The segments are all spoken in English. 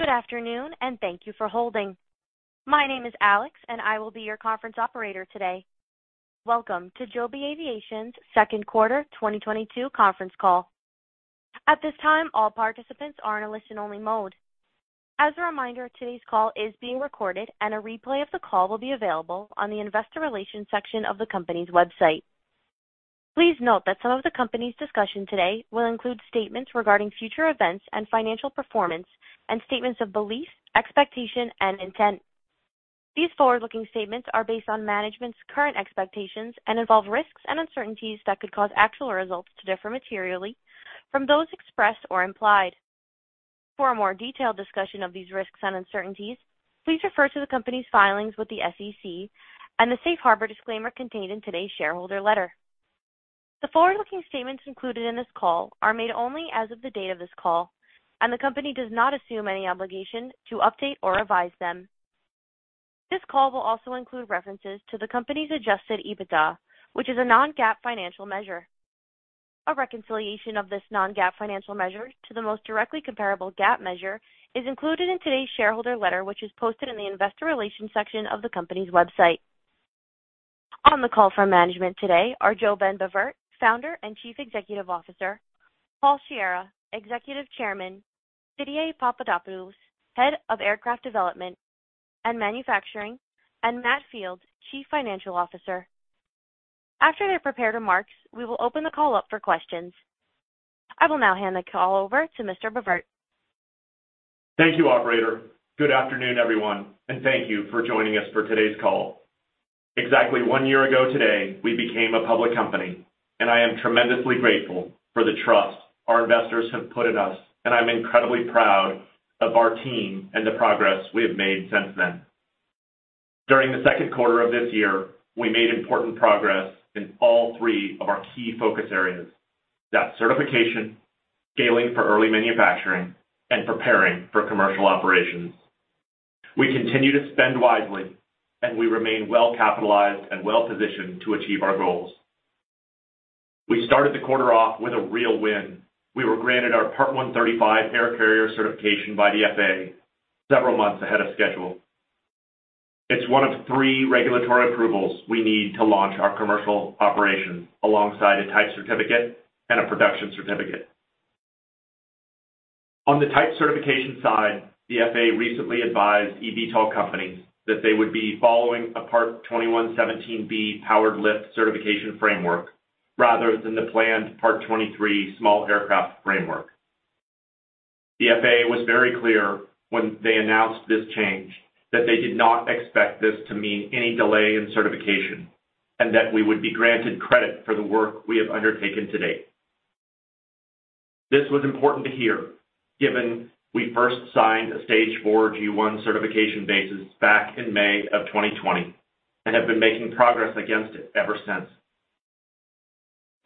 Good afternoon and thank you for holding. My name is Alex, and I will be your conference operator today. Welcome to Joby Aviation's second quarter 2022 conference call. At this time, all participants are in a listen-only mode. As a reminder, today's call is being recorded, and a replay of the call will be available on the investor relations section of the company's website. Please note that some of the company's discussion today will include statements regarding future events and financial performance and statements of belief, expectation, and intent. These forward-looking statements are based on management's current expectations and involve risks and uncertainties that could cause actual results to differ materially from those expressed or implied. For a more detailed discussion of these risks and uncertainties, please refer to the company's filings with the SEC and the safe harbor disclaimer contained in today's shareholder letter. The forward-looking statements included in this call are made only as of the date of this call, and the company does not assume any obligation to update or revise them. This call will also include references to the company's adjusted EBITDA, which is a non-GAAP financial measure. A reconciliation of this non-GAAP financial measure to the most directly comparable GAAP measure is included in today's shareholder letter, which is posted in the investor relations section of the company's website. On the call from management today are JoeBen Bevirt, Founder and Chief Executive Officer, Paul Sciarra, Executive Chairman, Didier Papadopoulos, head of aircraft development and manufacturing, and Matt Field, Chief Financial Officer. After their prepared remarks, we will open the call up for questions. I will now hand the call over to Mr. Bevirt. Thank you, operator. Good afternoon, everyone, and thank you for joining us for today's call. Exactly one year ago today, we became a public company, and I am tremendously grateful for the trust our investors have put in us, and I'm incredibly proud of our team and the progress we have made since then. During the second quarter of this year, we made important progress in all three of our key focus areas: that certification, scaling for early manufacturing, and preparing for commercial operations. We continue to spend wisely, and we remain well-capitalized and well-positioned to achieve our goals. We started the quarter off with a real win. We were granted our Part 135 air carrier certification by the FAA several months ahead of schedule. It's one of three regulatory approvals we need to launch our commercial operations alongside a type certificate and a production certificate. On the type certification side, the FAA recently advised eVTOL companies that they would be following a Part 21.17(b) powered lift certification framework rather than the planned Part 23 small aircraft framework. The FAA was very clear when they announced this change that they did not expect this to mean any delay in certification and that we would be granted credit for the work we have undertaken to date. This was important to hear, given we first signed a Stage 4 G1 certification basis back in May 2020 and have been making progress against it ever since.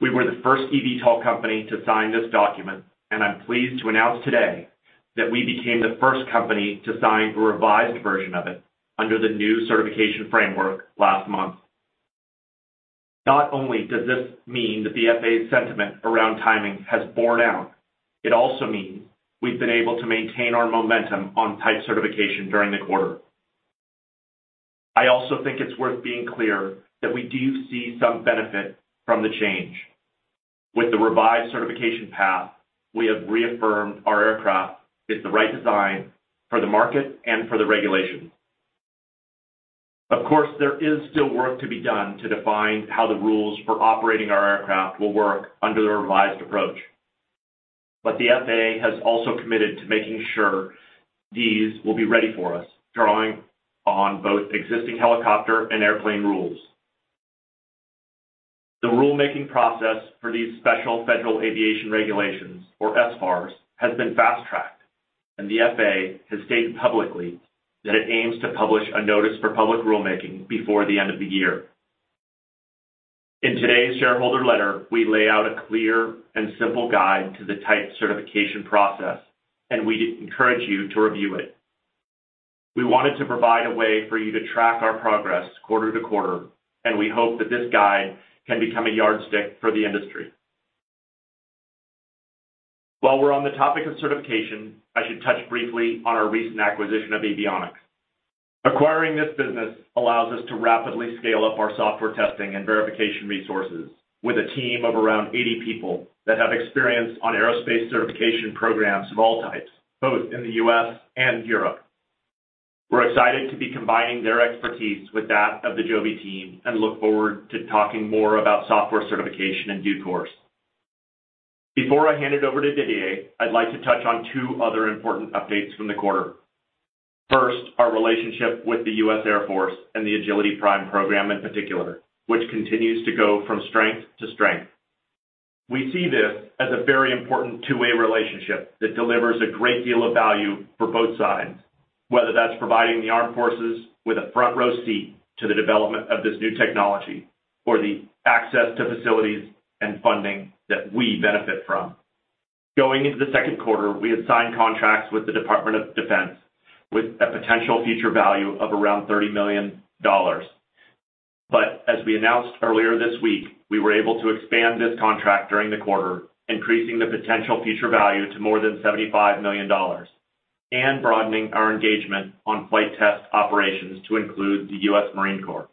We were the first eVTOL company to sign this document, and I'm pleased to announce today that we became the first company to sign a revised version of it under the new certification framework last month. Not only does this mean that the FAA's sentiment around timing has borne out, it also means we've been able to maintain our momentum on type certification during the quarter. I also think it's worth being clear that we do see some benefit from the change. With the revised certification path, we have reaffirmed our aircraft is the right design for the market and for the regulation. Of course, there is still work to be done to define how the rules for operating our aircraft will work under the revised approach. The FAA has also committed to making sure these will be ready for us, drawing on both existing helicopter and airplane rules. The rulemaking process for these Special Federal Aviation Regulations, or SFARs, has been fast-tracked, and the FAA has stated publicly that it aims to publish a notice for public rulemaking before the end of the year. In today's shareholder letter, we lay out a clear and simple guide to the type certification process, and we'd encourage you to review it. We wanted to provide a way for you to track our progress quarter to quarter, and we hope that this guide can become a yardstick for the industry. While we're on the topic of certification, I should touch briefly on our recent acquisition of Avionyx. Acquiring this business allows us to rapidly scale up our software testing and verification resources with a team of around 80 people that have experience on aerospace certification programs of all types, both in the U.S. and Europe. We're excited to be combining their expertise with that of the Joby team and look forward to talking more about software certification in due course. Before I hand it over to Didier, I'd like to touch on two other important updates from the quarter. First, our relationship with the U.S. Air Force and the Agility Prime program in particular, which continues to go from strength to strength. We see this as a very important two-way relationship that delivers a great deal of value for both sides, whether that's providing the armed forces with a front-row seat to the development of this new technology or the access to facilities and funding that we benefit from. Going into the second quarter, we had signed contracts with the Department of Defense with a potential future value of around $30 million. As we announced earlier this week, we were able to expand this contract during the quarter, increasing the potential future value to more than $75 million and broadening our engagement on flight test operations to include the U.S. Marine Corps.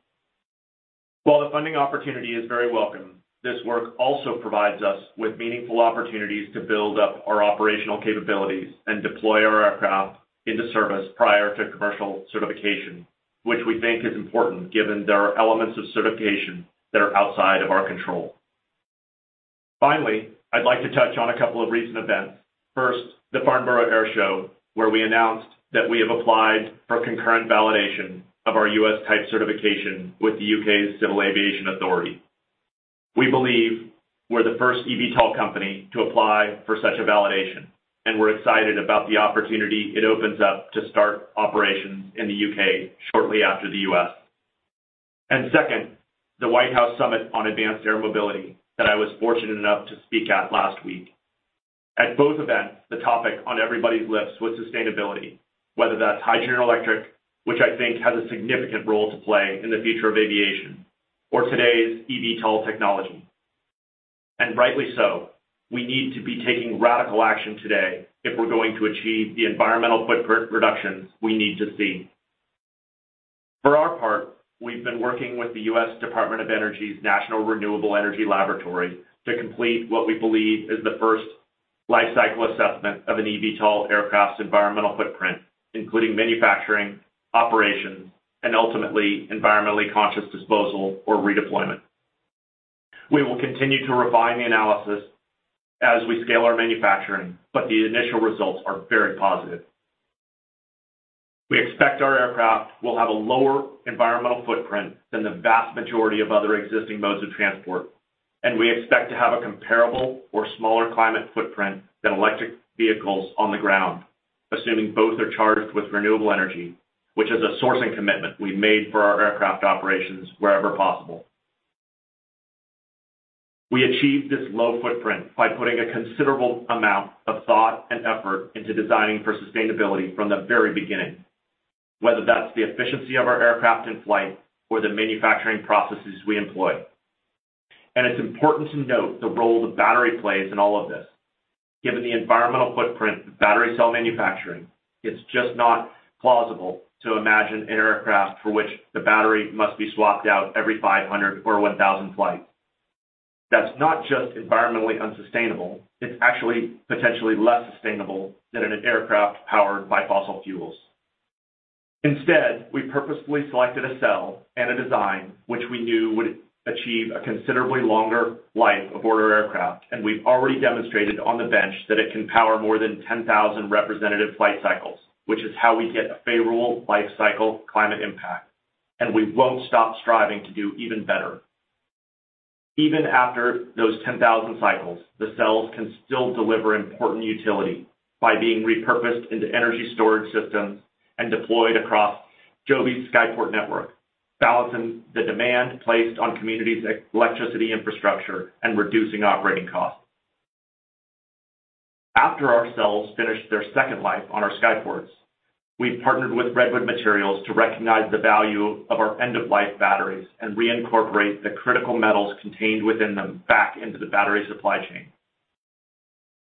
While the funding opportunity is very welcome, this work also provides us with meaningful opportunities to build up our operational capabilities and deploy our aircraft into service prior to commercial certification, which we think is important given there are elements of certification that are outside of our control. Finally, I'd like to touch on a couple of recent events. First, the Farnborough Airshow, where we announced that we have applied for concurrent validation of our U.S. type certification with the U.K. Civil Aviation Authority. We believe we're the first eVTOL company to apply for such a validation, and we're excited about the opportunity it opens up to start operations in the U.K. shortly after the U.S. Second, the White House Summit on Advanced Air Mobility that I was fortunate enough to speak at last week. At both events, the topic on everybody's lips was sustainability, whether that's hydrogen or electric, which I think has a significant role to play in the future of aviation or today's eVTOL technology. Rightly so, we need to be taking radical action today if we're going to achieve the environmental footprint reductions we need to see. For our part, we've been working with the U.S. Department of Energy's National Renewable Energy Laboratory to complete what we believe is the first life cycle assessment of an eVTOL aircraft's environmental footprint, including manufacturing, operations, and ultimately, environmentally conscious disposal or redeployment. We will continue to refine the analysis as we scale our manufacturing, but the initial results are very positive. We expect our aircraft will have a lower environmental footprint than the vast majority of other existing modes of transport, and we expect to have a comparable or smaller climate footprint than electric vehicles on the ground, assuming both are charged with renewable energy, which is a sourcing commitment we've made for our aircraft operations wherever possible. We achieved this low footprint by putting a considerable amount of thought and effort into designing for sustainability from the very beginning, whether that's the efficiency of our aircraft in flight or the manufacturing processes we employ. It's important to note the role the battery plays in all of this. Given the environmental footprint of battery cell manufacturing, it's just not plausible to imagine an aircraft for which the battery must be swapped out every 500 or 1,000 flights. That's not just environmentally unsustainable, it's actually potentially less sustainable than an aircraft powered by fossil fuels. Instead, we purposefully selected a cell and a design which we knew would achieve a considerably longer life for our aircraft, and we've already demonstrated on the bench that it can power more than 10,000 representative flight cycles, which is how we get a favorable life cycle climate impact, and we won't stop striving to do even better. Even after those 10,000 cycles, the cells can still deliver important utility by being repurposed into energy storage systems and deployed across Joby's Skyport network, balancing the demand placed on communities' electricity infrastructure and reducing operating costs. After our cells finish their second life on our Skyports, we've partnered with Redwood Materials to recognize the value of our end-of-life batteries and reincorporate the critical metals contained within them back into the battery supply chain.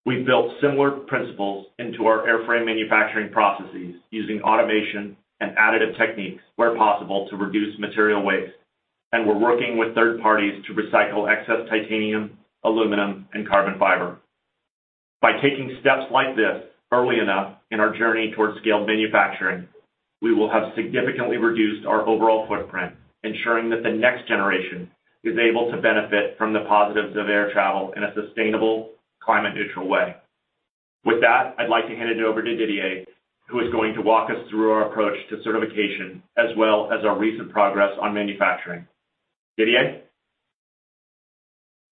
We've built similar principles into our airframe manufacturing processes using automation and additive techniques where possible to reduce material waste, and we're working with third parties to recycle excess titanium, aluminum, and carbon fiber. By taking steps like this early enough in our journey towards scaled manufacturing, we will have significantly reduced our overall footprint, ensuring that the next generation is able to benefit from the positives of air travel in a sustainable climate-neutral way. With that, I'd like to hand it over to Didier, who is going to walk us through our approach to certification as well as our recent progress on manufacturing. Didier?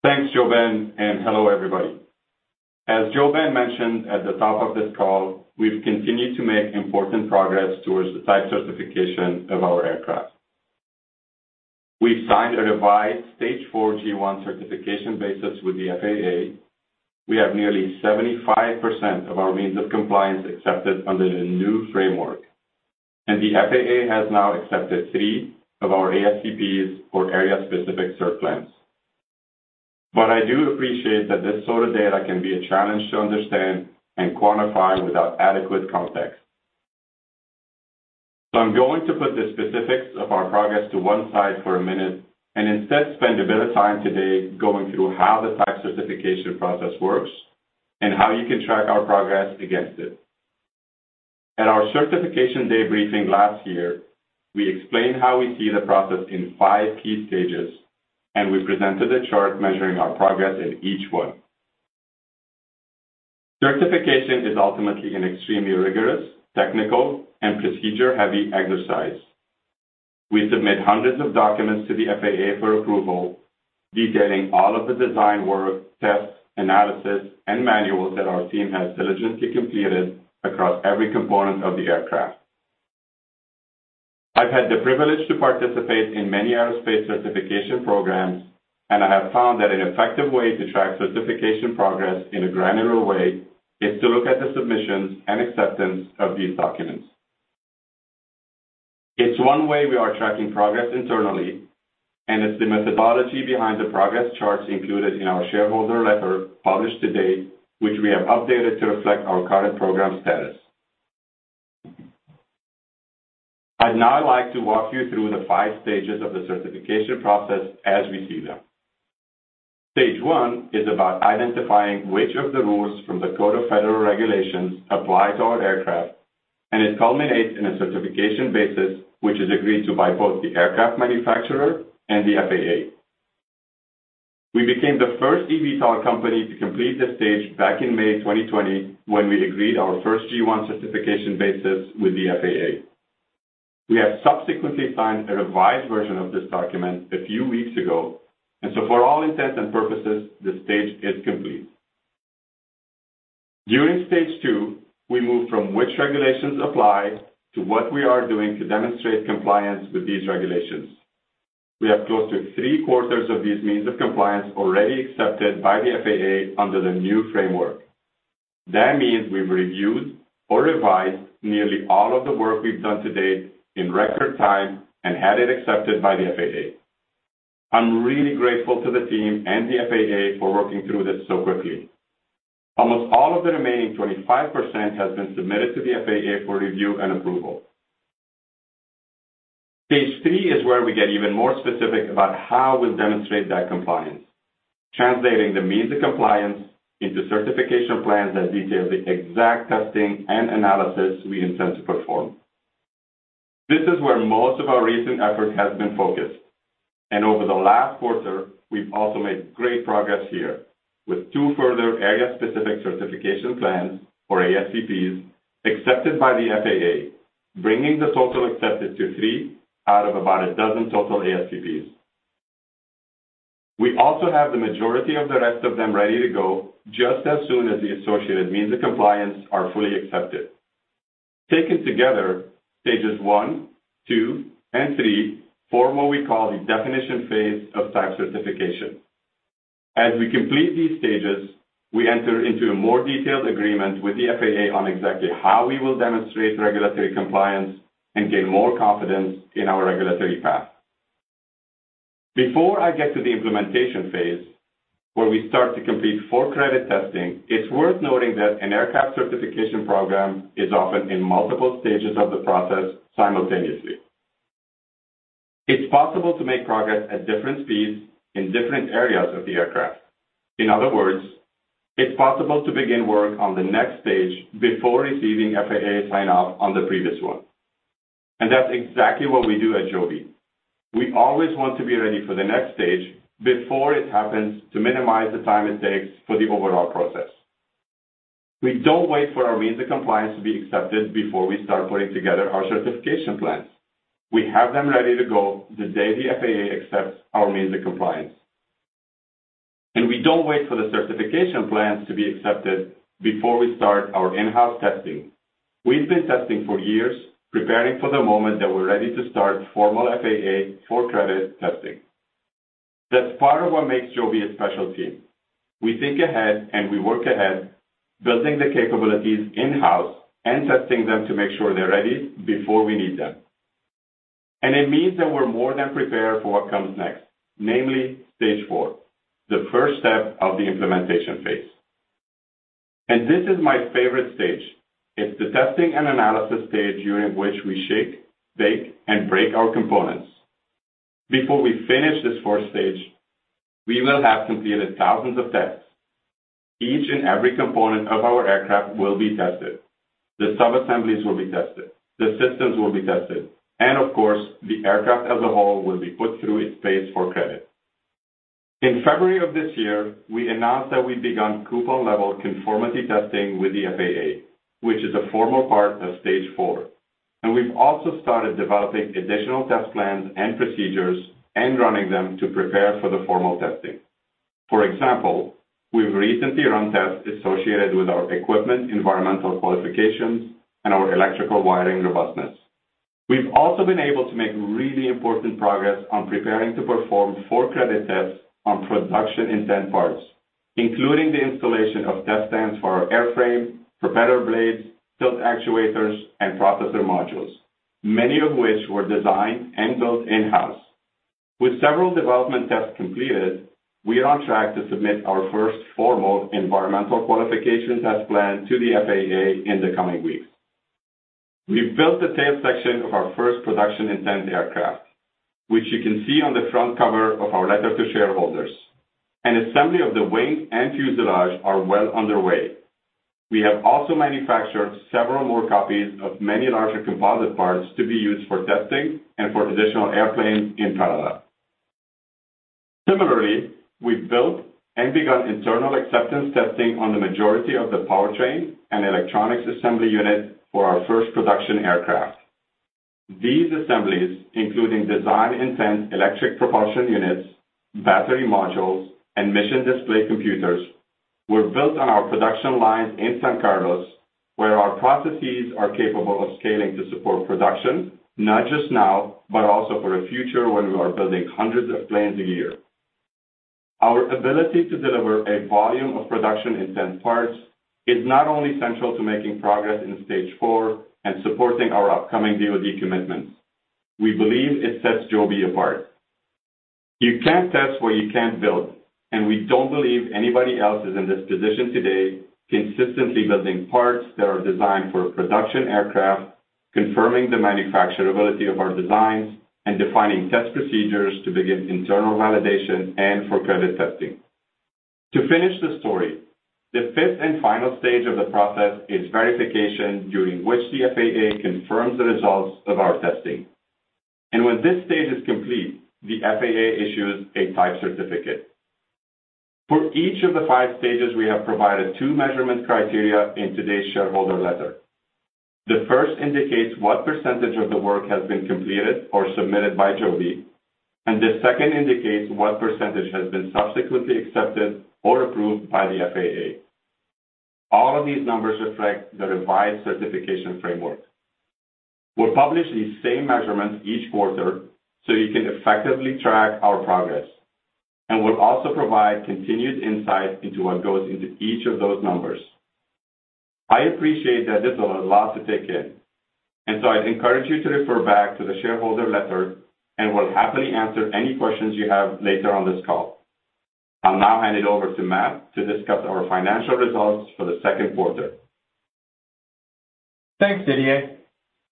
Thanks, JoeBen, and hello, everybody. As JoeBen mentioned at the top of this call, we've continued to make important progress towards the type certification of our aircraft. We've signed a revised Stage 4 G1 certification basis with the FAA. We have nearly 75% of our means of compliance accepted under the new framework, and the FAA has now accepted three of our ASCPs or Area-Specific Certification Plans. I do appreciate that this sort of data can be a challenge to understand and quantify without adequate context. I'm going to put the specifics of our progress to one side for a minute and instead spend a bit of time today going through how the type certification process works and how you can track our progress against it. At our certification day briefing last year, we explained how we see the process in five key stages, and we presented a chart measuring our progress in each one. Certification is ultimately an extremely rigorous, technical, and procedure-heavy exercise. We submit hundreds of documents to the FAA for approval, detailing all of the design work, tests, analysis, and manuals that our team has diligently completed across every component of the aircraft. I've had the privilege to participate in many aerospace certification programs. I have found that an effective way to track certification progress in a granular way is to look at the submissions and acceptance of these documents. It's one way we are tracking progress internally, and it's the methodology behind the progress charts included in our shareholder letter published today, which we have updated to reflect our current program status. I'd now like to walk you through the five stages of the certification process as we see them. Stage one is about identifying which of the rules from the Code of Federal Regulations apply to our aircraft, and it culminates in a certification basis, which is agreed to by both the aircraft manufacturer and the FAA. We became the first eVTOL company to complete this stage back in May 2020 when we agreed our first G1 certification basis with the FAA. We have subsequently signed a revised version of this document a few weeks ago, and so for all intents and purposes, this stage is complete. During stage two, we move from which regulations apply to what we are doing to demonstrate compliance with these regulations. We have close to three-quarters of these means of compliance already accepted by the FAA under the new framework. That means we've reviewed or revised nearly all of the work we've done to date in record time and had it accepted by the FAA. I'm really grateful to the team and the FAA for working through this so quickly. Almost all of the remaining 25% has been submitted to the FAA for review and approval. Stage three is where we get even more specific about how we'll demonstrate that compliance, translating the means of compliance into certification plans that detail the exact testing and analysis we intend to perform. This is where most of our recent effort has been focused. Over the last quarter, we've also made great progress here with two Area-Specific Certification Plans or ASCPs accepted by the FAA, bringing the total accepted to three out of about a dozen total ASCPs. We also have the majority of the rest of them ready to go just as soon as the associated means of compliance are fully accepted. Taken together, stages one, two, and three form what we call the definition phase of type certification. As we complete these stages, we enter into a more detailed agreement with the FAA on exactly how we will demonstrate regulatory compliance and gain more confidence in our regulatory path. Before I get to the implementation phase, where we start to complete for-credit testing, it's worth noting that an aircraft certification program is often in multiple stages of the process simultaneously. It's possible to make progress at different speeds in different areas of the aircraft. In other words, it's possible to begin work on the next stage before receiving FAA sign-off on the previous one. That's exactly what we do at Joby. We always want to be ready for the next stage before it happens to minimize the time it takes for the overall process. We don't wait for our means of compliance to be accepted before we start putting together our certification plans. We have them ready to go the day the FAA accepts our means of compliance. We don't wait for the certification plans to be accepted before we start our in-house testing. We've been testing for years, preparing for the moment that we're ready to start formal FAA for-credit testing. That's part of what makes Joby a special team. We think ahead, and we work ahead, building the capabilities in-house and testing them to make sure they're ready before we need them. It means that we're more than prepared for what comes next, namely stage four, the first step of the implementation phase. This is my favorite stage. It's the testing and analysis stage during which we shake, bake, and break our components. Before we finish this fourth stage, we will have completed thousands of tests. Each and every component of our aircraft will be tested. The subassemblies will be tested. The systems will be tested. Of course, the aircraft as a whole will be put through its paces for certification. In February of this year, we announced that we'd begun coupon-level conformity testing with the FAA, which is a formal part of stage four. We've also started developing additional test plans and procedures and running them to prepare for the formal testing. For example, we've recently run tests associated with our equipment environmental qualifications and our electrical wiring robustness. We've also been able to make really important progress on preparing to perform for-credit tests on production intent parts, including the installation of test stands for our airframe, propeller blades, tilt actuators, and processor modules, many of which were designed and built in-house. With several development tests completed, we are on track to submit our first formal environmental qualifications test plan to the FAA in the coming weeks. We've built the tail section of our first production intent aircraft, which you can see on the front cover of our letter to shareholders. Assembly of the wing and fuselage are well underway. We have also manufactured several more copies of many larger composite parts to be used for testing and for additional airplanes in parallel. Similarly, we've built and begun internal acceptance testing on the majority of the powertrain and electronics assembly unit for our first production aircraft. These assemblies, including design intent electric propulsion units, battery modules, and mission display computers. We're built on our production lines in San Carlos, where our processes are capable of scaling to support production, not just now, but also for the future when we are building hundreds of planes a year. Our ability to deliver a volume of production intent parts is not only central to making progress in stage four and supporting our upcoming DOD commitments. We believe it sets Joby apart. You can't test what you can't build, and we don't believe anybody else is in this position today, consistently building parts that are designed for production aircraft, confirming the manufacturability of our designs, and defining test procedures to begin internal validation and for credit testing. To finish the story, the fifth and final stage of the process is verification, during which the FAA confirms the results of our testing. When this stage is complete, the FAA issues a type certificate. For each of the five stages, we have provided two measurement criteria in today's shareholder letter. The first indicates what percentage of the work has been completed or submitted by Joby, and the second indicates what percentage has been subsequently accepted or approved by the FAA. All of these numbers reflect the revised certification framework. We'll publish these same measurements each quarter so you can effectively track our progress and we'll also provide continued insight into what goes into each of those numbers. I appreciate that this is a lot to take in, and so I'd encourage you to refer back to the shareholder letter, and we'll happily answer any questions you have later on this call. I'll now hand it over to Matt to discuss our financial results for the second quarter. Thanks, Didier.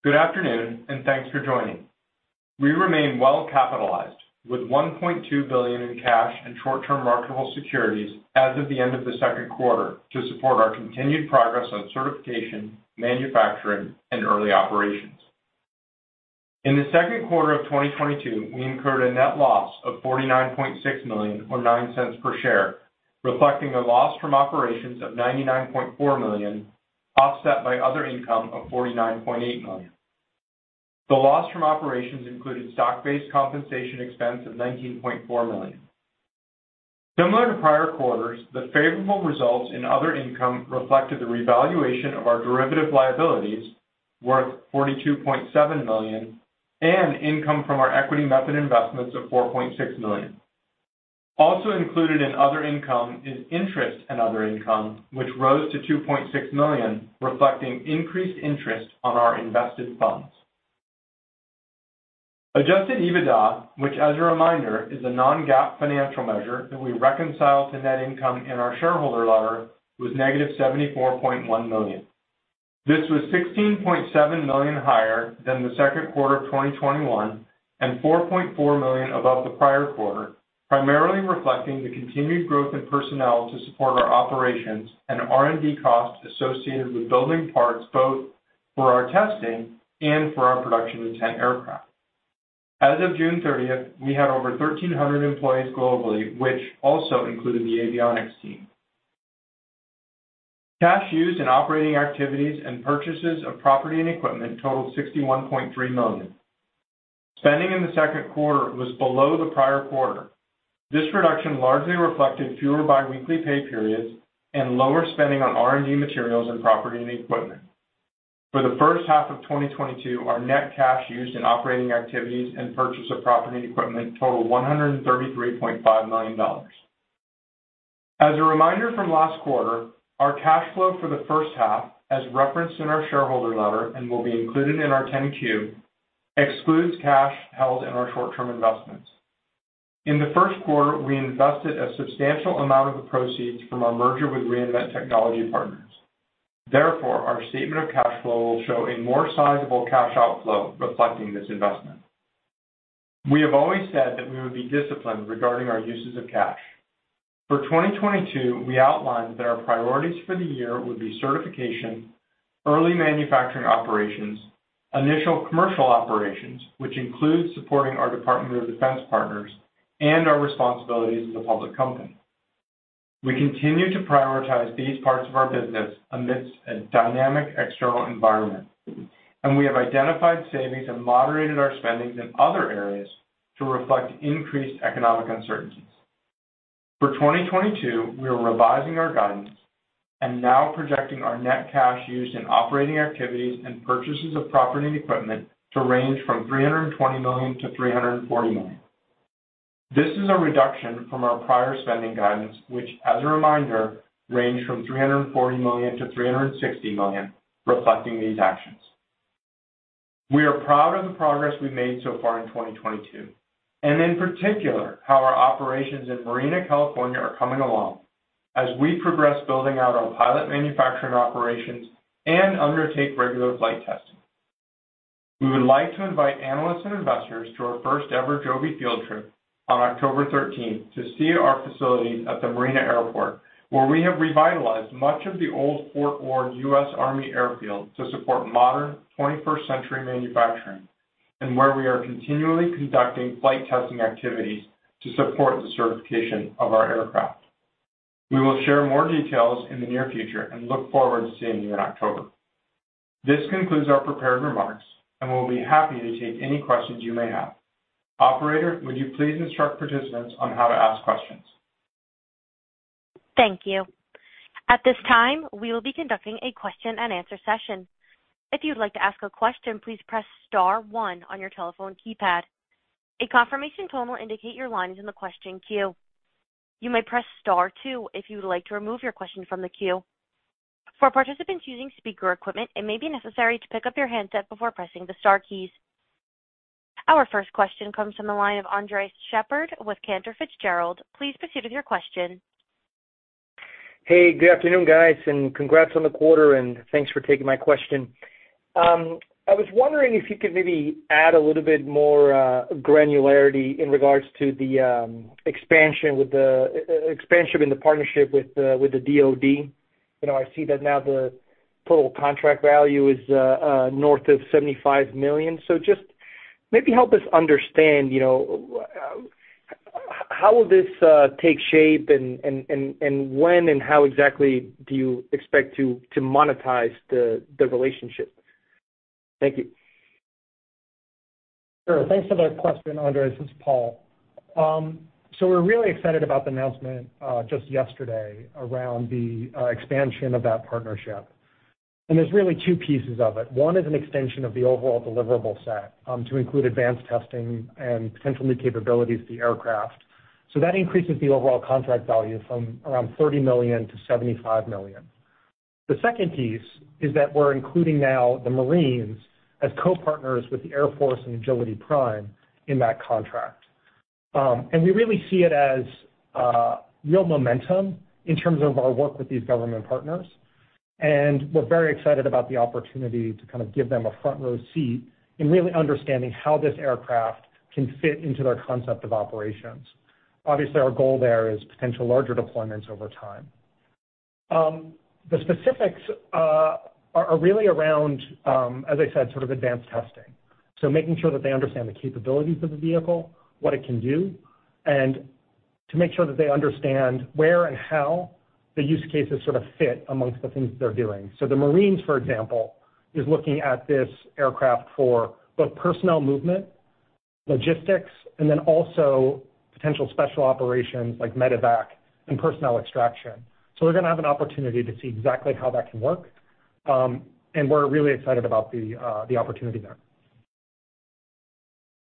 Good afternoon, and thanks for joining. We remain well capitalized with $1.2 billion in cash and short-term marketable securities as of the end of the second quarter to support our continued progress on certification, manufacturing, and early operations. In the second quarter of 2022, we incurred a net loss of $49.6 million or $0.09 per share, reflecting a loss from operations of $99.4 million, offset by other income of $49.8 million. The loss from operations included stock-based compensation expense of $19.4 million. Similar to prior quarters, the favorable results in other income reflected the revaluation of our derivative liabilities worth $42.7 million and income from our equity method investments of $4.6 million. Also included in other income is interest and other income, which rose to $2.6 million, reflecting increased interest on our invested funds. Adjusted EBITDA, which as a reminder, is a non-GAAP financial measure that we reconcile to net income in our shareholder letter, was -$74.1 million. This was $16.7 million higher than the second quarter of 2021 and $4.4 million above the prior quarter, primarily reflecting the continued growth in personnel to support our operations and R&D costs associated with building parts both for our testing and for our production intent aircraft. As of June 30th, we had over 1,300 employees globally, which also included the Avionyx team. Cash used in operating activities and purchases of property and equipment totaled $61.3 million. Spending in the second quarter was below the prior quarter. This reduction largely reflected fewer biweekly pay periods and lower spending on R&D materials and property and equipment. For the first half of 2022, our net cash used in operating activities and purchase of property and equipment totaled $133.5 million. As a reminder from last quarter, our cash flow for the first half, as referenced in our shareholder letter and will be included in our 10-Q, excludes cash held in our short-term investments. In the first quarter, we invested a substantial amount of the proceeds from our merger with Reinvent Technology Partners. Therefore, our statement of cash flow will show a more sizable cash outflow reflecting this investment. We have always said that we would be disciplined regarding our uses of cash. For 2022, we outlined that our priorities for the year would be certification, early manufacturing operations, initial commercial operations, which includes supporting our Department of Defense partners and our responsibilities as a public company. We continue to prioritize these parts of our business amidst a dynamic external environment, and we have identified savings and moderated our spendings in other areas to reflect increased economic uncertainties. For 2022, we are revising our guidance and now projecting our net cash used in operating activities and purchases of property and equipment to range from $320 million-$340 million. This is a reduction from our prior spending guidance, which as a reminder, ranged from $340 million-$360 million, reflecting these actions. We are proud of the progress we've made so far in 2022, and in particular, how our operations in Marina, California are coming along as we progress building out our pilot manufacturing operations and undertake regular flight testing. We would like to invite analysts and investors to our first ever Joby Field Trip on October 13th to see our facilities at the Marina Airport, where we have revitalized much of the old Fort Ord U.S. Army Airfield to support modern 21st-century manufacturing and where we are continually conducting flight testing activities to support the certification of our aircraft. We will share more details in the near future and look forward to seeing you in October. This concludes our prepared remarks, and we'll be happy to take any questions you may have. Operator, would you please instruct participants on how to ask questions? Thank you. At this time, we will be conducting a question and answer session. If you'd like to ask a question, please press star one on your telephone keypad. A confirmation tone will indicate your line is in the question queue. You may press star two if you would like to remove your question from the queue. For participants using speaker equipment, it may be necessary to pick up your handset before pressing the star keys. Our first question comes from the line of Andres Sheppard with Cantor Fitzgerald. Please proceed with your question. Hey, good afternoon, guys, and congrats on the quarter, and thanks for taking my question. I was wondering if you could maybe add a little bit more granularity in regards to the expansion in the partnership with the DOD. You know, I see that now the total contract value is north of $75 million. So just maybe help us understand, you know, how will this take shape and when and how exactly do you expect to monetize the relationship? Thank you. Sure. Thanks for that question, Andres. This is Paul. We're really excited about the announcement just yesterday around the expansion of that partnership. There's really two pieces of it. One is an extension of the overall deliverable set to include advanced testing and potential new capabilities to the aircraft. That increases the overall contract value from around $30 million to $75 million. The second piece is that we're including now the Marines as co-partners with the Air Force and Agility Prime in that contract, and we really see it as real momentum in terms of our work with these government partners. We're very excited about the opportunity to kind of give them a front row seat in really understanding how this aircraft can fit into their concept of operations. Obviously, our goal there is potential larger deployments over time. The specifics are really around, as I said, sort of advanced testing. Making sure that they understand the capabilities of the vehicle, what it can do, and to make sure that they understand where and how the use cases sort of fit amongst the things that they're doing. The Marines, for example, is looking at this aircraft for both personnel movement, logistics, and then also potential special operations like medevac and personnel extraction. We're gonna have an opportunity to see exactly how that can work, and we're really excited about the opportunity there.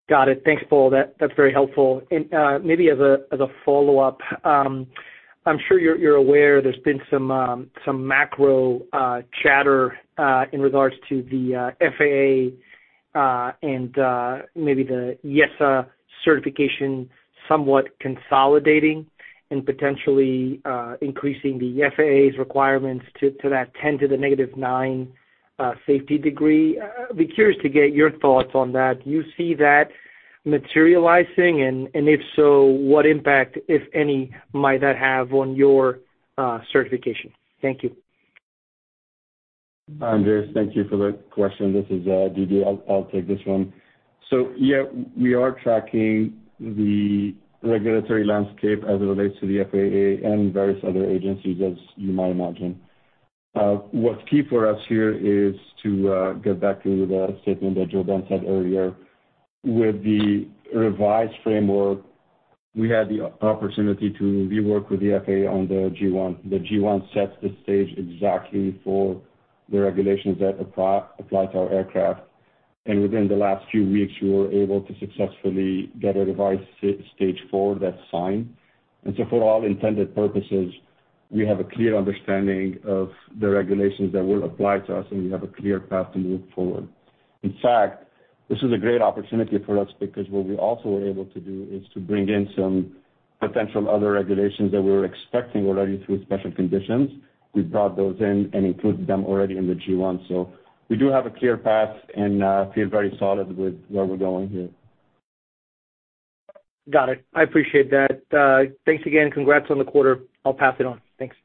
Got it. Thanks, Paul. That's very helpful. Maybe as a follow-up, I'm sure you're aware there's been some macro chatter in regards to the FAA and maybe the EASA certification somewhat consolidating and potentially increasing the FAA's requirements to that 10 to the -9 safety degree. I'd be curious to get your thoughts on that. Do you see that materializing? If so, what impact, if any, might that have on your certification? Thank you. Andres, thank you for the question. This is Didier. I'll take this one. Yeah, we are tracking the regulatory landscape as it relates to the FAA and various other agencies, as you might imagine. What's key for us here is to get back to the statement that JoeBen said earlier. With the revised framework, we had the opportunity to rework with the FAA on the G1. The G1 sets the stage exactly for the regulations that apply to our aircraft. Within the last few weeks, we were able to successfully get a revised stage four that's signed. For all intended purposes, we have a clear understanding of the regulations that will apply to us, and we have a clear path to move forward. In fact, this is a great opportunity for us because what we also were able to do is to bring in some potential other regulations that we were expecting already through special conditions. We brought those in and included them already in the G1. We do have a clear path and feel very solid with where we're going here. Got it. I appreciate that. Thanks again. Congrats on the quarter. I'll pass it on. Thanks.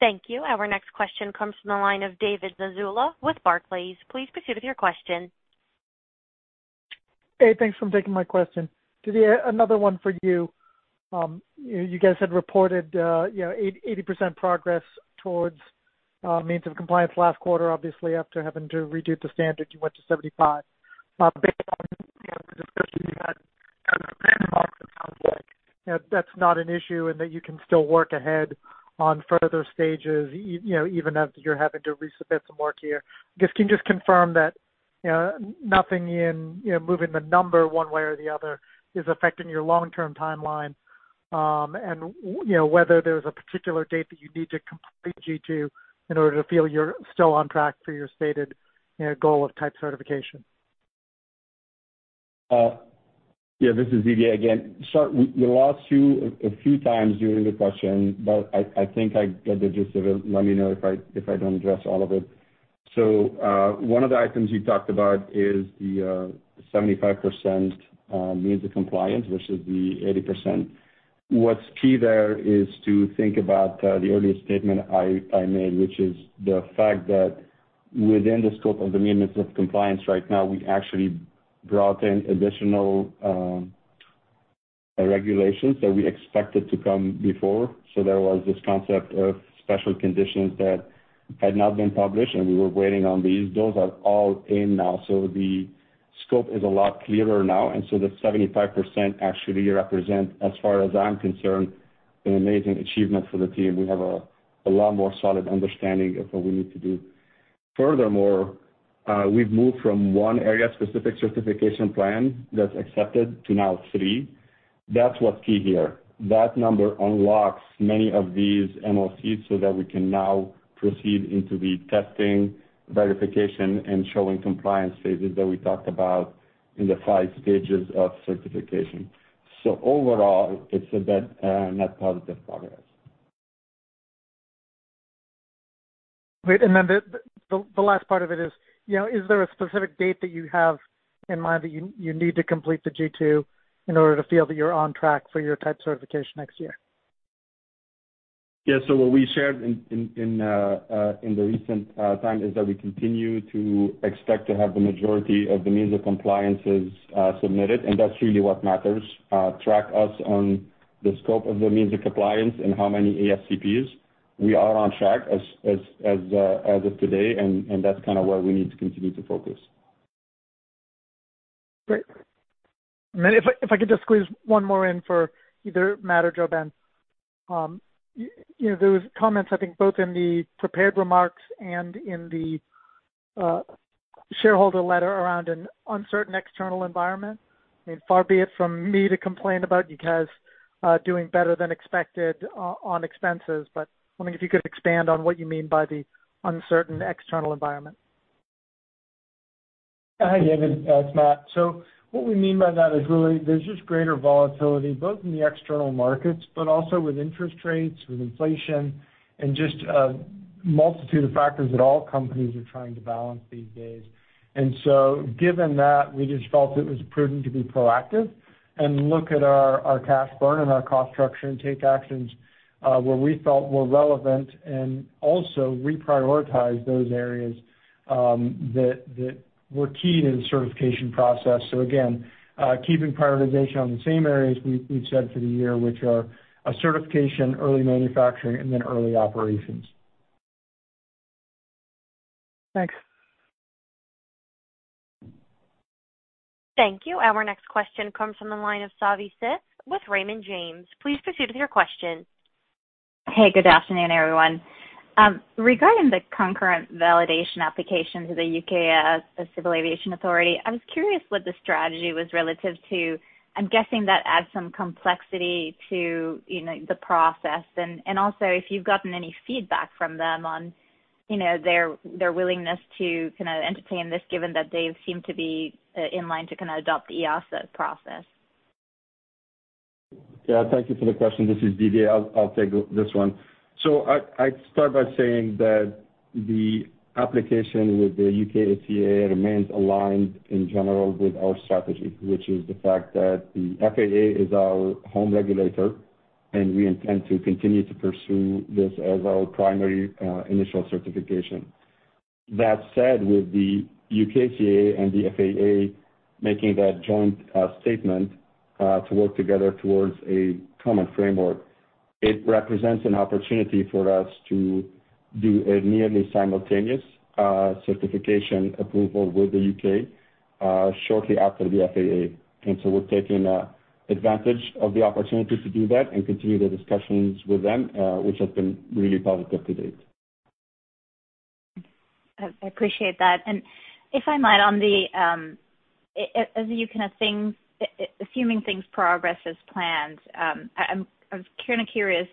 Thank you. Our next question comes from the line of David Zazula with Barclays. Please proceed with your question. Hey, thanks for taking my question. Didier, another one for you. You guys had reported, you know, 80% progress towards means of compliance last quarter. Obviously, after having to redo the standard, you went to 75%. Based on, you know, the discussion you had at the, it sounds like, you know, that's not an issue and that you can still work ahead on further stages you know, even after you're having to resubmit some work here. Just, can you just confirm that, you know, nothing in, you know, moving the number one way or the other is affecting your long-term timeline? You know, whether there's a particular date that you need to complete G2 in order to feel you're still on track for your stated, you know, goal of type certification. Yeah, this is Didier again. We lost you a few times during the question, but I think I got the gist of it. Let me know if I don't address all of it. One of the items you talked about is the 75% means of compliance versus the 80%. What's key there is to think about the earlier statement I made, which is the fact that within the scope of the means of compliance right now, we actually brought in additional regulation that we expected to come before. There was this concept of special conditions that had not been published, and we were waiting on these. Those are all in now. The scope is a lot clearer now. The 75% actually represents, as far as I'm concerned, an amazing achievement for the team. We have a lot more solid understanding of what we need to do. Furthermore, we've moved from Area-Specific Certification Plan that's accepted to now three. That's what's key here. That number unlocks many of these MoCs so that we can now proceed into the testing, verification, and showing compliance phases that we talked about in the five stages of certification. Overall, it's a net positive progress. Great. The last part of it is, you know, is there a specific date that you have in mind that you need to complete the G2 in order to feel that you're on track for your type certification next year? Yeah. What we shared in the recent time is that we continue to expect to have the majority of the means of compliance submitted, and that's really what matters. We track on the scope of the means of compliance and how many ASCPs. We are on track as of today, and that's kind of where we need to continue to focus. Great. Then if I could just squeeze one more in for either Matt or JoeBen. You know, there was comments, I think, both in the prepared remarks and in the shareholder letter around an uncertain external environment. I mean, far be it from me to complain about you guys doing better than expected on expenses, but wondering if you could expand on what you mean by the uncertain external environment. Hi, David, it's Matt Field. What we mean by that is really there's just greater volatility, both in the external markets, but also with interest rates, with inflation, and just, multitude of factors that all companies are trying to balance these days. Given that, we just felt it was prudent to be proactive and look at our cash burn and our cost structure and take actions, where we felt were relevant and also reprioritize those areas, that were key in the certification process. Again, keeping prioritization on the same areas we've said for the year, which are a certification, early manufacturing, and then early operations. Thanks. Thank you. Our next question comes from the line of Savanthi Syth with Raymond James. Please proceed with your question. Hey, good afternoon, everyone. Regarding the concurrent validation application to the U.K. Civil Aviation Authority, I was curious what the strategy was relative to. I'm guessing that adds some complexity to, you know, the process. Also if you've gotten any feedback from them on, you know, their willingness to kinda entertain this, given that they seem to be in line to kinda adopt the EASA process. Yeah. Thank you for the question. This is Didier. I'll take this one. I'd start by saying that the application with the U.K. CAA remains aligned in general with our strategy, which is the fact that the FAA is our home regulator, and we intend to continue to pursue this as our primary, initial certification. That said, with the U.K. CAA and the FAA making that joint statement to work together towards a common framework, it represents an opportunity for us to do a nearly simultaneous certification approval with the U.K., shortly after the FAA. We're taking advantage of the opportunity to do that and continue the discussions with them, which have been really positive to date. I appreciate that. If I might, on the, as you kinda thing, assuming things progress as planned, I was kinda curious,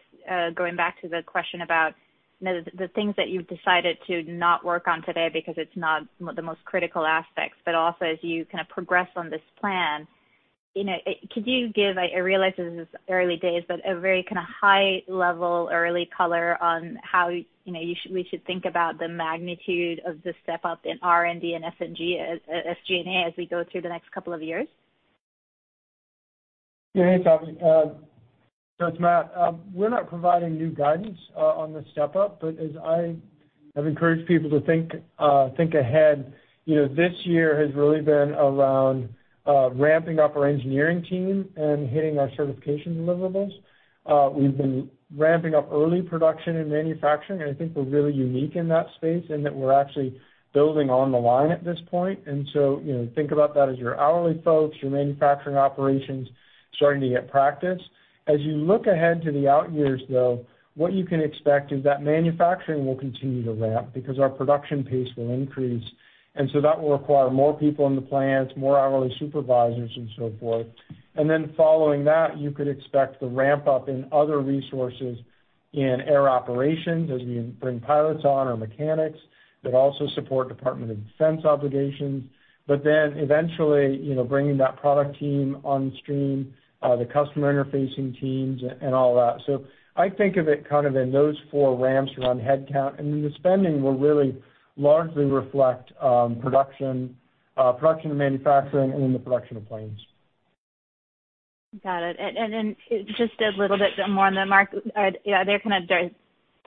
going back to the question about, you know, the things that you've decided to not work on today because it's not the most critical aspects, but also as you kind of progress on this plan, you know, could you give, I realize this is early days, but a very kinda high level early color on how, you know, we should think about the magnitude of the step-up in R&D and SG&A as we go through the next couple of years? Yeah. Hey, Savi. It's Matt. We're not providing new guidance on the step up, but as I have encouraged people to think ahead, you know, this year has really been around ramping up our engineering team and hitting our certification deliverables. We've been ramping up early production and manufacturing, and I think we're really unique in that space and that we're actually building on the line at this point. You know, think about that as your hourly folks, your manufacturing operations starting to get practice. As you look ahead to the out years, though, what you can expect is that manufacturing will continue to ramp because our production pace will increase, and so that will require more people in the plants, more hourly supervisors and so forth. Then following that, you could expect the ramp-up in other resources in air operations as we bring pilots on our mechanics that also support Department of Defense obligations. Eventually, you know, bringing that product team on stream, the customer interfacing teams and all that. I think of it kind of in those four ramps around headcount, and the spending will really largely reflect production and manufacturing and in the production of planes. Got it. Then just a little bit more on the market. Yeah,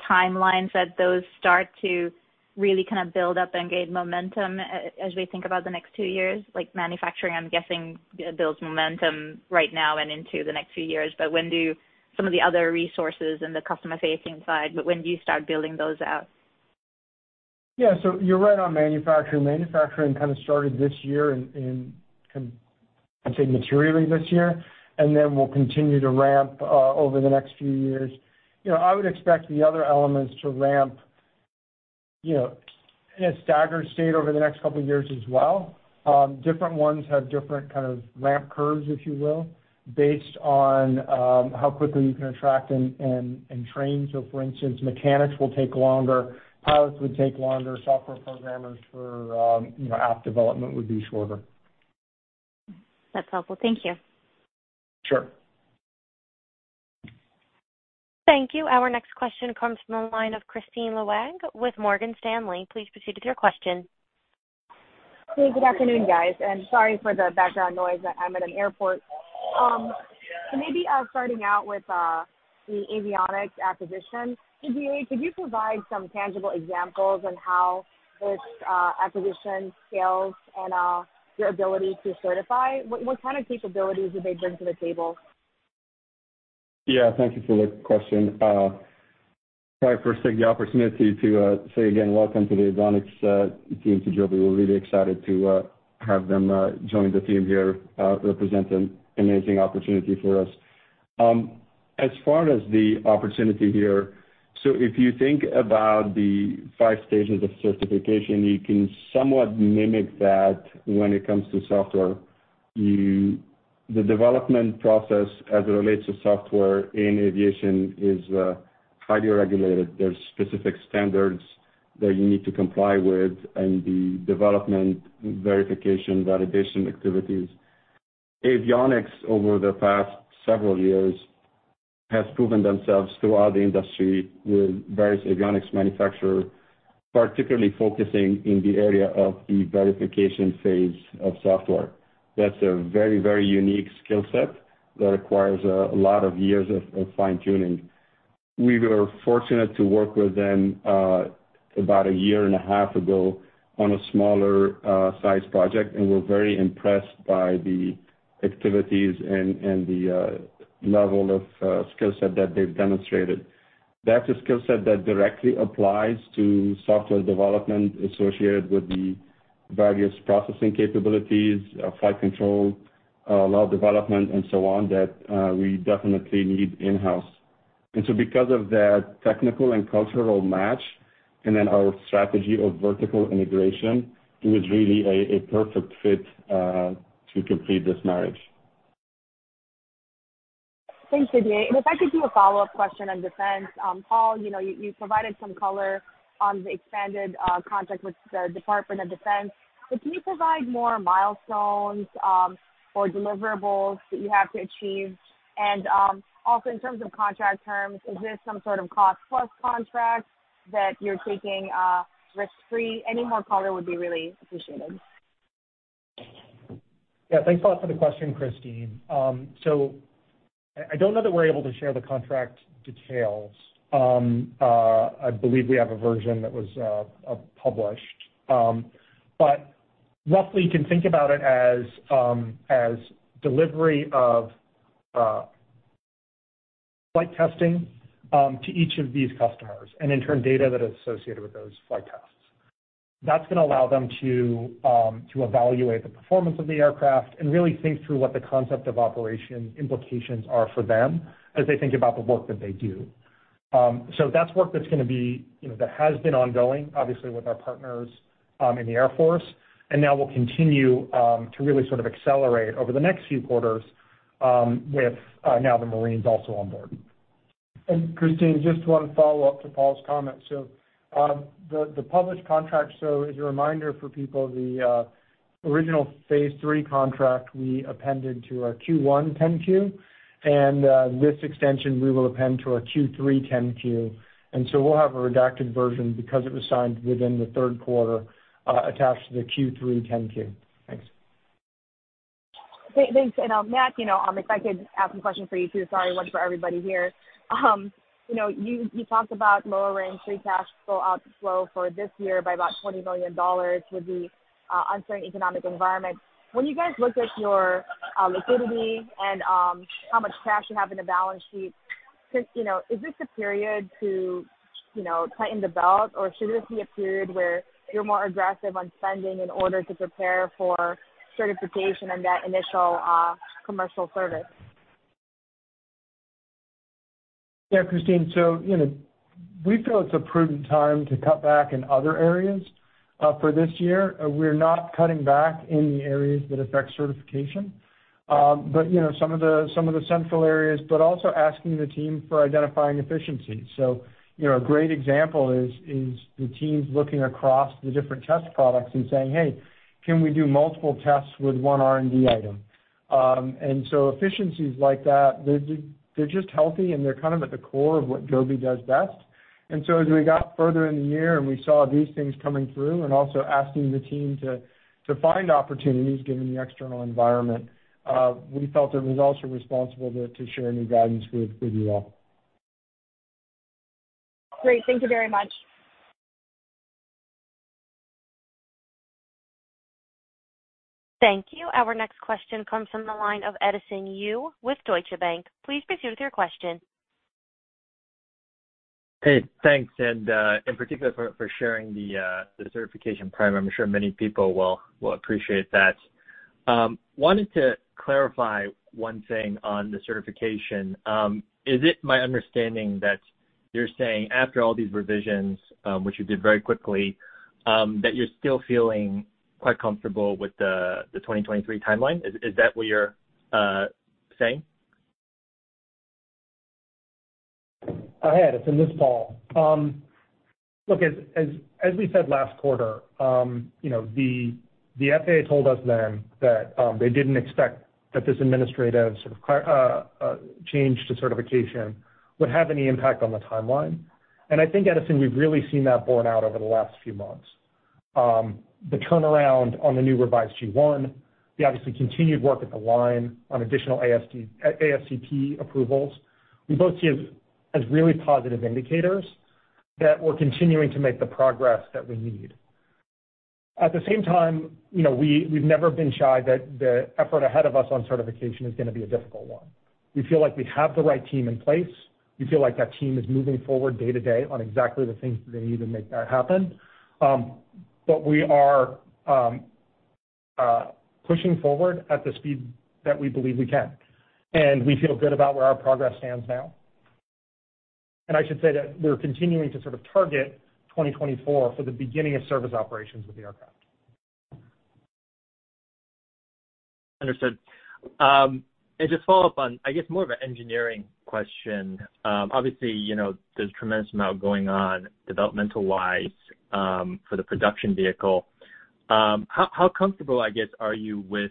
timelines that those start to really kind of build up and gain momentum as we think about the next two years, like manufacturing. I'm guessing builds momentum right now and into the next few years, but when do some of the other resources in the customer-facing side start building those out? Yeah. You're right on manufacturing. Manufacturing kind of started this year. I'd say materially this year, and then we'll continue to ramp over the next few years. You know, I would expect the other elements to ramp, you know, in a staggered state over the next couple of years as well. Different ones have different kind of ramp curves, if you will, based on how quickly you can attract and train. For instance, mechanics will take longer, pilots would take longer, software programmers for, you know, app development would be shorter. That's helpful. Thank you. Sure. Thank you. Our next question comes from the line of Kristine Liwag with Morgan Stanley. Please proceed with your question. Hey, good afternoon, guys, and sorry for the background noise. I'm at an airport. Maybe starting out with the Avionyx acquisition. Didier, could you provide some tangible examples on how this acquisition scales and your ability to certify? What kind of capabilities do they bring to the table? Yeah. Thank you for the question. Sorry, first take the opportunity to say again welcome to the Avionyx team to Joby. We're really excited to have them join the team here, represent an amazing opportunity for us. As far as the opportunity here, if you think about the five stages of certification, you can somewhat mimic that when it comes to software. The development process as it relates to software in aviation is highly regulated. There's specific standards that you need to comply with in the development, verification, validation activities. Avionyx, over the past several years, has proven themselves throughout the industry with various Avionyx manufacturer, particularly focusing in the area of the verification phase of software. That's a very, very unique skill set that requires a lot of years of fine-tuning. We were fortunate to work with them about a year and a half ago on a smaller size project, and we're very impressed by the activities and the level of skill set that they've demonstrated. That's a skill set that directly applies to software development associated with the various processing capabilities, flight control, a lot of development and so on that we definitely need in-house. Because of that technical and cultural match and then our strategy of vertical integration, it was really a perfect fit to complete this marriage. Thanks, Didier. If I could do a follow-up question on defense. Paul, you know, you provided some color on the expanded contract with the Department of Defense. Can you provide more milestones or deliverables that you have to achieve? Also in terms of contract terms, is this some sort of cost-plus contract that you're taking risk-free? Any more color would be really appreciated. Yeah. Thanks a lot for the question, Kristine. I don't know that we're able to share the contract details. I believe we have a version that was published. But roughly you can think about it as delivery of flight testing to each of these customers, and in turn, data that is associated with those flight tests. That's gonna allow them to evaluate the performance of the aircraft and really think through what the concept of operation implications are for them as they think about the work that they do. That's work that's gonna be, you know, that has been ongoing, obviously with our partners in the Air Force. Now we'll continue to really sort of accelerate over the next few quarters with now the Marines also on board. Kristine, just one follow-up to Paul's comment. The published contract, so as a reminder for people, the original phase three contract we appended to our Q1 10-Q. This extension we will append to our Q3 10-Q. We'll have a redacted version because it was signed within the third quarter, attached to the Q3 10-Q. Thanks. Okay. Thanks. Matt, you know, if I could ask a question for you, too. Sorry, one for everybody here. You know, you talked about lowering free cash flow for this year by about $20 million with the uncertain economic environment. When you guys look at your liquidity and how much cash you have in the balance sheet, you know, is this a period to, you know, tighten the belt, or should this be a period where you're more aggressive on spending in order to prepare for certification and that initial commercial service? Yeah, Kristine. You know, we feel it's a prudent time to cut back in other areas for this year. We're not cutting back in the areas that affect certification. You know, some of the central areas, but also asking the team for identifying efficiencies. You know, a great example is the teams looking across the different test products and saying, "Hey, can we do multiple tests with one R&D item?" Efficiencies like that, they're just healthy, and they're kind of at the core of what Joby does best. As we got further in the year and we saw these things coming through and also asking the team to find opportunities given the external environment, we felt it was also responsible to share new guidance with you all. Great. Thank you very much. Thank you. Our next question comes from the line of Edison Yu with Deutsche Bank. Please proceed with your question. Hey, thanks, in particular for sharing the certification primer. I'm sure many people will appreciate that. Wanted to clarify one thing on the certification. Is it my understanding that you're saying after all these revisions, which you did very quickly, that you're still feeling quite comfortable with the 2023 timeline? Is that what you're saying? Ahead, it's in this fall. Look, as we said last quarter, you know, the FAA told us then that they didn't expect that this administrative sort of change to certification would have any impact on the timeline. I think, Edison, we've really seen that borne out over the last few months. The turnaround on the new revised G1, the obviously continued work online on additional ASCP approvals, we both see as really positive indicators that we're continuing to make the progress that we need. At the same time, you know, we've never been shy that the effort ahead of us on certification is gonna be a difficult one. We feel like we have the right team in place. We feel like that team is moving forward day to day on exactly the things that they need to make that happen. We are pushing forward at the speed that we believe we can, and we feel good about where our progress stands now. I should say that we're continuing to sort of target 2024 for the beginning of service operations with the aircraft. Understood. To follow up on, I guess, more of an engineering question, obviously, you know, there's a tremendous amount going on developmental-wise, for the production vehicle. How comfortable, I guess, are you with,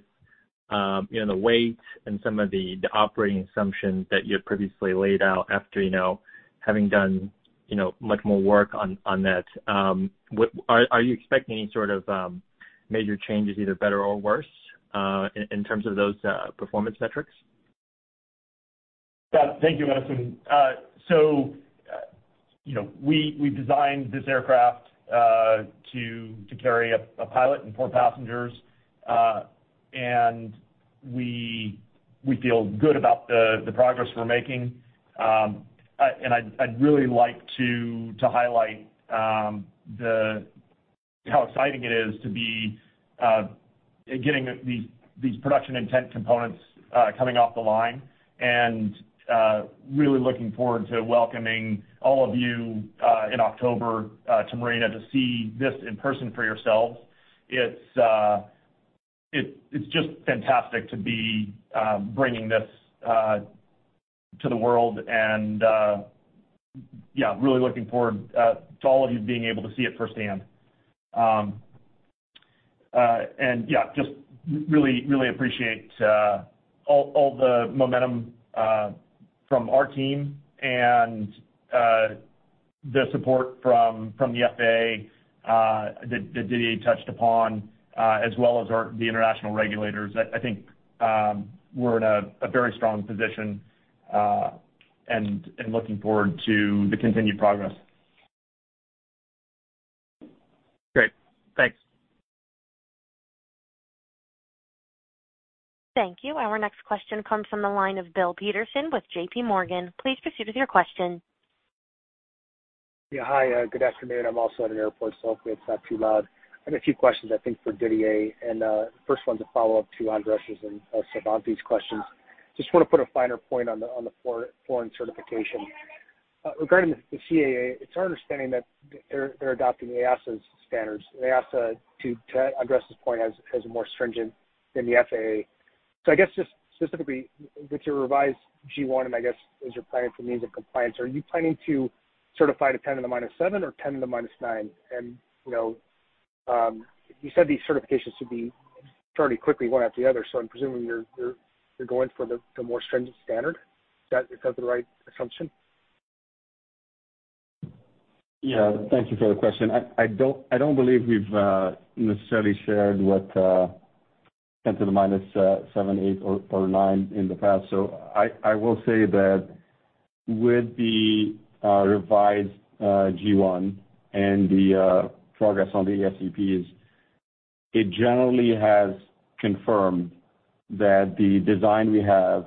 you know, the weight and some of the operating assumptions that you had previously laid out after, you know, having done, you know, much more work on that? Are you expecting any sort of major changes, either better or worse, in terms of those performance metrics? Yeah. Thank you, Edison. You know, we designed this aircraft to carry a pilot and four passengers, and we feel good about the progress we're making. I'd really like to highlight how exciting it is to be getting these production intent components coming off the line, really looking forward to welcoming all of you in October to Marina to see this in person for yourselves. It's just fantastic to be bringing this to the world, yeah, really looking forward to all of you being able to see it firsthand. Yeah, just really appreciate all the momentum from our team and the support from the FAA that Didier touched upon as well as the international regulators. I think we're in a very strong position and looking forward to the continued progress. Great. Thanks. Thank you. Our next question comes from the line of Bill Peterson with JPMorgan. Please proceed with your question. Yeah. Hi, good afternoon. I'm also at an airport, so hopefully it's not too loud. I have a few questions, I think, for Didier, and first one to follow up to Andres' and Savanthi's questions. Just wanna put a finer point on the floor certification. Regarding the CAA, it's our understanding that they're adopting EASA's standards. EASA, to address this point, has more stringent than the FAA. I guess just specifically with your revised G1, and I guess as you're planning for means of compliance, are you planning to certify to 10 to the -7 or 10 to the -9? You know, you said these certifications should be starting quickly one after the other, so I'm presuming you're going for the more stringent standard. Is that the right assumption? Yeah. Thank you for the question. I don't believe we've necessarily shared what 10 to the minus -7, -8, or -9 in the past. I will say that with the revised G1 and the progress on the ASCPs, it generally has confirmed that the design we have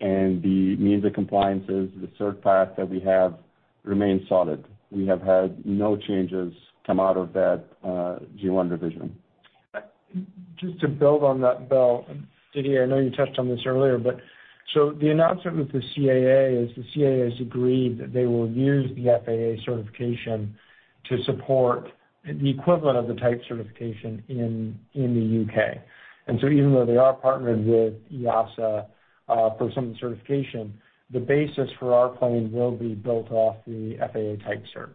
and the means of compliance, the cert path that we have remains solid. We have had no changes come out of that G1 revision. Just to build on that, Bill, Didier, I know you touched on this earlier, but so the announcement with the CAA is the CAA has agreed that they will use the FAA certification to support the equivalent of the type certification in the U.K.. Even though they are partnered with EASA for some of the certification, the basis for our plane will be built off the FAA type cert.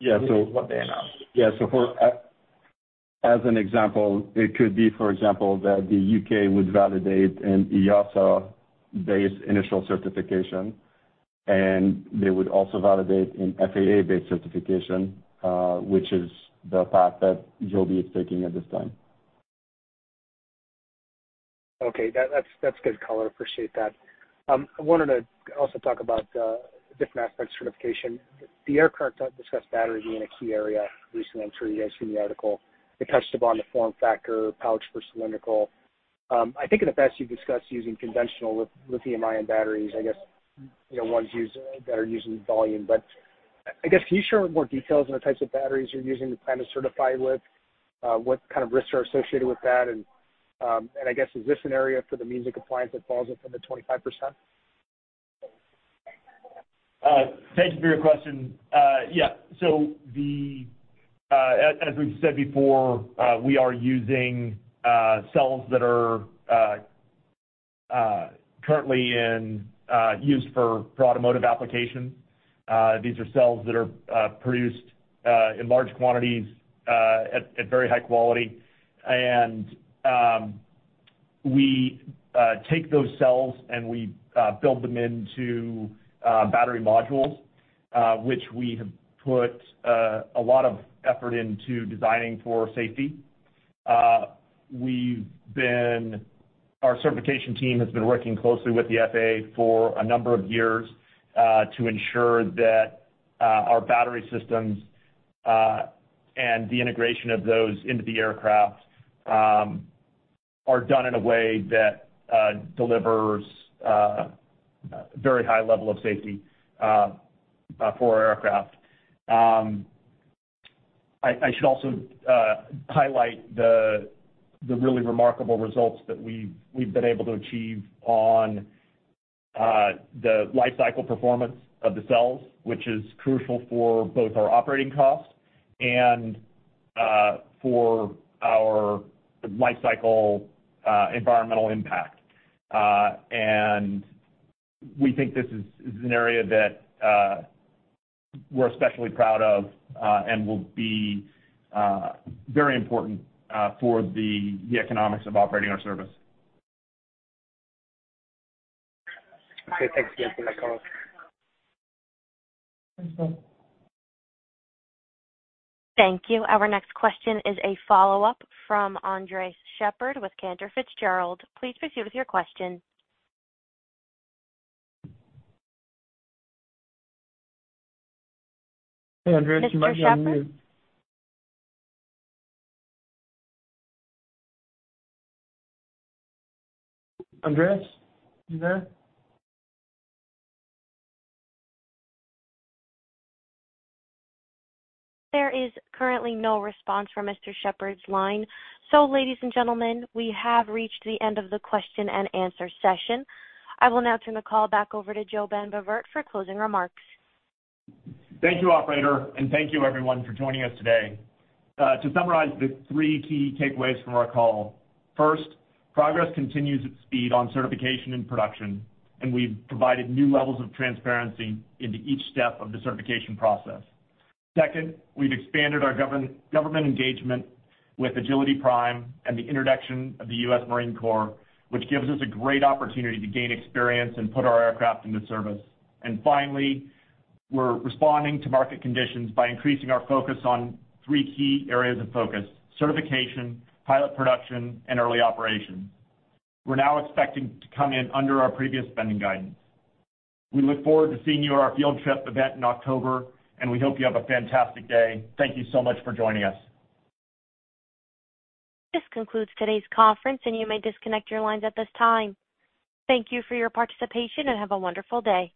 Yeah. At least that's what they announced. As an example, it could be, for example, that the U.K. would validate an EASA-based initial certification, and they would also validate an FAA-based certification, which is the path that Joby is taking at this time. Okay. That's good color. Appreciate that. I wanted to also talk about a different aspect of certification. The aircraft discussed battery being a key area recently. I'm sure you guys seen the article. It touched upon the form factor, pouch or cylindrical. I think in the past you've discussed using conventional lithium-ion batteries. I guess, you know, ones that are used in volume. I guess can you share more details on the types of batteries you plan to certify with? What kind of risks are associated with that? I guess, is this an area for the means of compliance that falls within the 25%? Thank you for your question. Yeah. As we've said before, we are using cells that are currently in use for automotive applications. These are cells that are produced in large quantities at very high quality. We take those cells, and we build them into battery modules, which we have put a lot of effort into designing for safety. Our certification team has been working closely with the FAA for a number of years to ensure that our battery systems and the integration of those into the aircraft are done in a way that delivers very high level of safety for our aircraft. I should also highlight the really remarkable results that we've been able to achieve on the lifecycle performance of the cells, which is crucial for both our operating costs and for our lifecycle environmental impact. We think this is an area that we're especially proud of and will be very important for the economics of operating our service. Okay. Thanks again for that color. Thank you. Our next question is a follow-up from Andres Sheppard with Cantor Fitzgerald. Please proceed with your question. Hey, Andres. You might be on mute. Mr. Sheppard? Andres? You there? There is currently no response from Mr. Sheppard's line. Ladies and gentlemen, we have reached the end of the question-and-answer session. I will now turn the call back over to JoeBen Bevirt for closing remarks. Thank you, operator, and thank you everyone for joining us today. To summarize the three key takeaways from our call. First, progress continues at speed on certification and production, and we've provided new levels of transparency into each step of the certification process. Second, we've expanded our government engagement with Agility Prime and the introduction of the U.S. Marine Corps, which gives us a great opportunity to gain experience and put our aircraft into service. Finally, we're responding to market conditions by increasing our focus on three key areas of focus, certification, pilot production, and early operations. We're now expecting to come in under our previous spending guidance. We look forward to seeing you at our Field Trip event in October, and we hope you have a fantastic day. Thank you so much for joining us. This concludes today's conference, and you may disconnect your lines at this time. Thank you for your participation, and have a wonderful day.